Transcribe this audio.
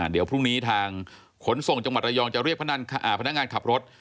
เดี๋ยวพรุ่งนี้ทางขนส่งจังหวัดระยองจะเรียกพนักงานขับรถ